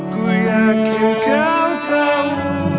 ku yakin kau tahu